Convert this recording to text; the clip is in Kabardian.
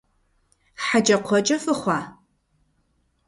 ХьэкӀэкхъуэкӀэ фыхъуа?!